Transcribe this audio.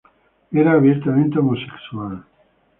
Era abiertamente homosexual.